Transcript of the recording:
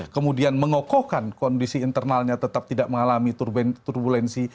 kemudian mengokohkan kondisi internalnya tetap tidak mengalami turbulensi